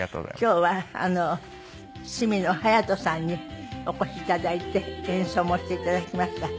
今日は角野隼斗さんにお越し頂いて演奏もして頂きました。